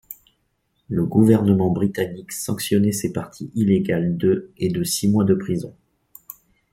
Le gouvernement britannique sanctionnait ces parties illégales de et de six mois de prison.